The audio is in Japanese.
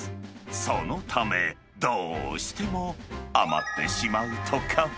そのため、どうしても余ってしまうとか。